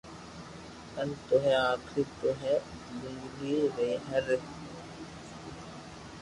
انت تو ھي آخري تو ھي زندگي ري ھر